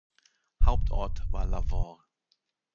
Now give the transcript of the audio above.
Hauptort war Lavaur.